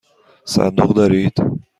صندوق دارید؟